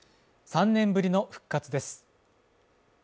３年ぶりの復活です。